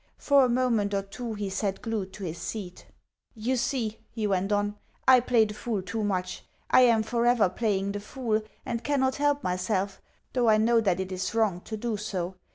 For a moment or two he sat glued to his seat. "You see," he went on, "I play the fool too much. I am forever playing the fool, and cannot help myself, though I know that it is wrong to do so.